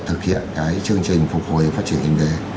thực hiện cái chương trình phục hồi phát triển kinh tế